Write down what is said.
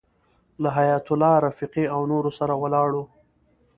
له حیایت الله رفیقي او نورو سره ولاړو.